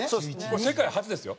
これ世界初ですよ。